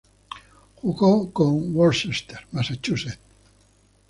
Jugó con Worcester, Massachusetts.